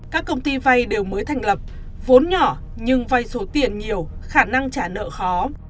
các công ty vay đều mới thành lập vốn nhỏ nhưng vay số tiền nhiều khả năng trả nợ khó